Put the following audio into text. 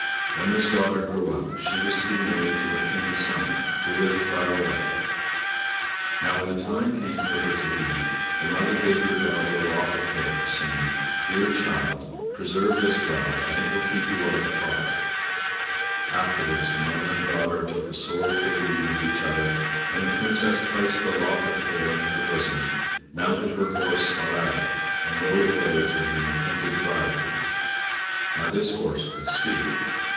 When this daughter grew up she was to be married to a King's son, who lived far away. Now when the time came for her to leave, the mother gave her daughter a lock of hair, saying, "Dear child, preserve this well, and it will help you out of trouble." Afterwards the mother and daughter took a sorrowful leave of each other, and the princess placed the lock of hair in her bosom, mounted her horse Falada, and rode away to her intended bridegroom. Now this horse could speak.